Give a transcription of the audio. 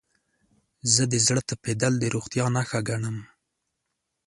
زه د زړه تپیدل د روغتیا نښه ګڼم.